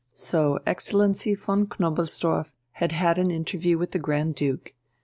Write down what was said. So Excellency von Knobelsdorff had had an interview with the Grand Duke.